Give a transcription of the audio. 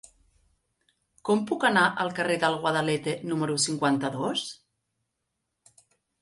Com puc anar al carrer del Guadalete número cinquanta-dos?